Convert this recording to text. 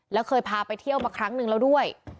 แล้วเคยพาไปเที่ยวมาครั้งหนึ่งแล้วด้วย